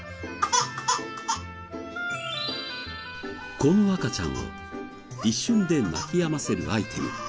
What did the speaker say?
この赤ちゃんを一瞬で泣きやませるアイテム。